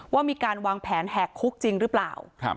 ว่ามีการวางแผนแหกคุกจริงหรือเปล่า